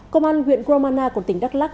công an huyện gromana của tỉnh đắk lắc